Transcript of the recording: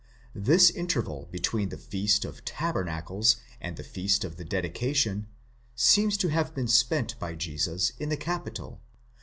The interval between the Feast of Tabernacles and the Feast of the Dedication seems to have been spent by Jesus in the capital